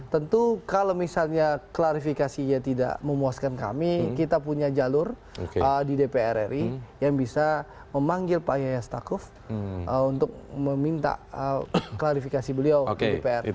tentu kalau misalnya klarifikasinya tidak memuaskan kami kita punya jalur di dpr ri yang bisa memanggil pak yaya stakuf untuk meminta klarifikasi beliau di dpr